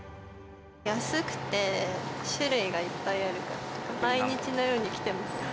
安くて種類がいっぱいあるから、毎日のように来てます。